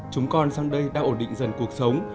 chúng con sang đây đang ổn định dần cuộc sống